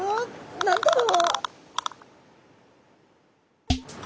何だろう。